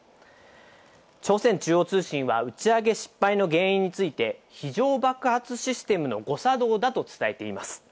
朝鮮中央通信は打ち上げ失敗の原因について、非常爆発システムの誤作動だと伝えています。